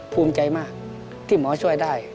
ภูมิใจมากที่หมอช่วยได้